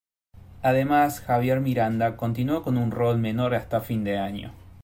Además, Javier Miranda continuó con un rol menor hasta fin de año.